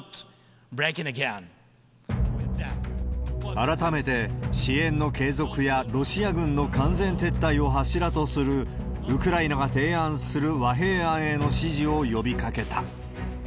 改めて、支援の継続やロシア軍の完全撤退を柱とする、ウクライナが提案する和平案への支持を呼びかけた。